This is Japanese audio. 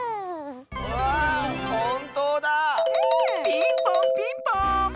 ピンポンピンポーン！